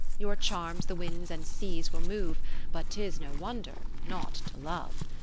Your charms the winds and seas will move, But 'tis no wonder, not to Love.